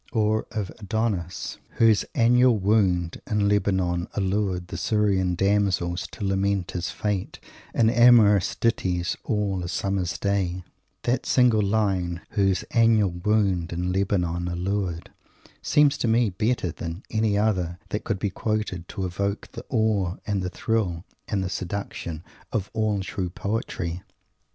Or of Adonis: "Whose annual wound, in Lebanon, allured The Syrian damsels to lament his fate In amorous ditties all a Summer's day " That single line, "Whose annual wound, in Lebanon, allured," seems to me better than any other that could be quoted, to evoke the awe and the thrill and the seduction of all true poetry.